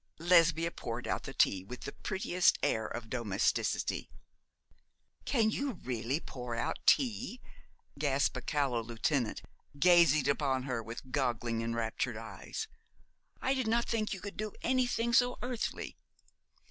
Lesbia poured out the tea with the prettiest air of domesticity. 'Can you really pour out tea?' gasped a callow lieutenant, gazing upon her with goggling, enraptured eyes. 'I did not think you could do anything so earthly.'